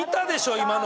今の。